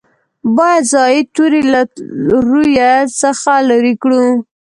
باید زاید توري له روي څخه لرې کړو.